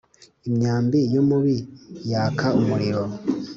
imyambi y umubi yaka umuriro